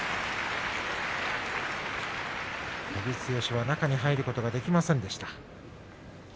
照強は中に入ることができませんでした。